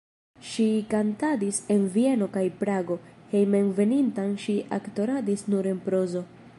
Ŝi kantadis en Vieno kaj Prago, hejmenveninta ŝi aktoradis nur en prozo.